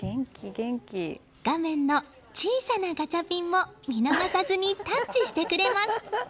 画面の小さなガチャピンも見逃さずにタッチしてくれます。